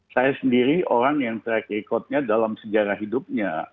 saya sendiri orang yang track recordnya dalam sejarah hidupnya